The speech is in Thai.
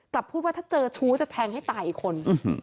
พูดว่าถ้าเจอชู้จะแทงให้ตายอีกคน